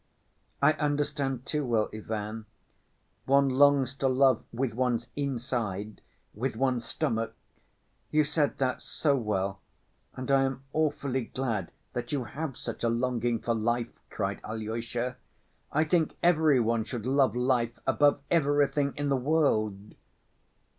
"I understand too well, Ivan. One longs to love with one's inside, with one's stomach. You said that so well and I am awfully glad that you have such a longing for life," cried Alyosha. "I think every one should love life above everything in the world."